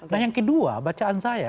nah yang kedua bacaan saya